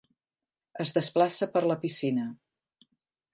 Es desplaça per la piscina.